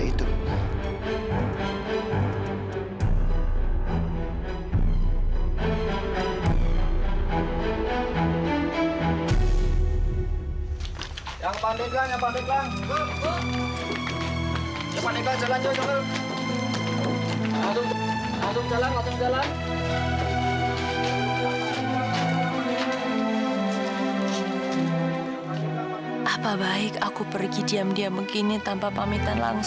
ini semua demi menyelamatkan